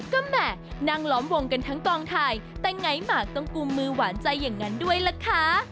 ก็แหม่นั่งล้อมวงกันทั้งกองถ่ายแต่ไงหมากต้องกุมมือหวานใจอย่างนั้นด้วยล่ะคะ